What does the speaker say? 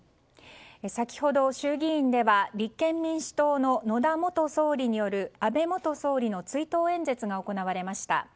先ほど、衆議院では立憲民主党の野田元総理による安倍元総理の追悼演説が行われました。